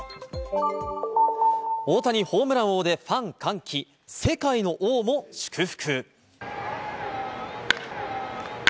大谷、ホームラン王でファン歓喜、世界の王も祝福。